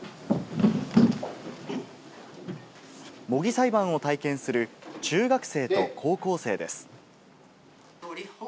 模擬裁判を体験する、中学生と高校生です。